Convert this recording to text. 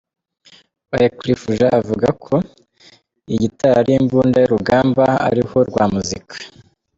Wyclef Jean acuga ko iyi gitari ari imbunda yurugamba ariho rwa muzika.